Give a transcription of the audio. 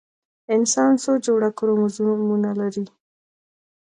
انسان څو جوړه کروموزومونه لري؟